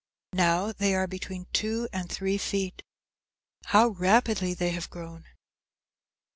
Now they are between two and three feet. How rapidly they have grown!